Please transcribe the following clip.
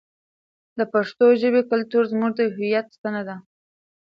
د پښتو ژبې کلتور زموږ د هویت ستنه ده.